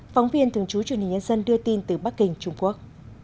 phóng viên thường trú truyền hình nhân dân đưa tin từ bắc kinh trung quốc